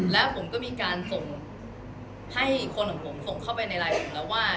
แล้วผมก็มีการส่งให้คนของผมส่งเข้าไปในไลน์ผมแล้วว่า